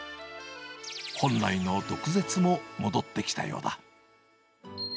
本来の毒舌も戻ってきたようだ。